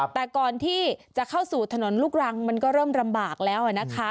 แต่ก่อนที่จะเข้าสู่ถนนลูกรังมันก็เริ่มลำบากแล้วนะคะ